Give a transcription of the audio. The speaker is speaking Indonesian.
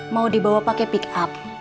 mau dibawa pakai pick up